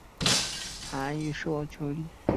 韩语社群常以南北关系称之。